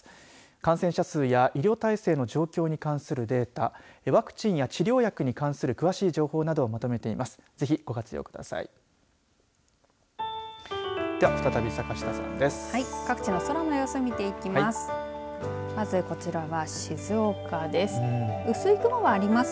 感染者数や医療体制の状況に関するデータワクチンや治療薬に関する詳しい状況などをまとめています。